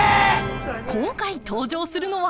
今回登場するのは。